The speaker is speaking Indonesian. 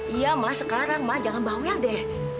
iya ma sekarang ma jangan bawa yang deh